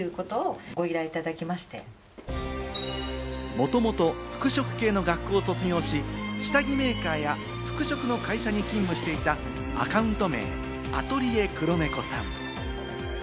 もともと服飾系の学校を卒業し、下着メーカーや服飾の会社に勤務していた、アカウント名・アトリエ黒猫さん。